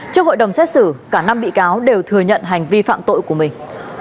trước hội đồng xét xử cả năm bị cáo đều thừa nhận hành vi phạm tội của mình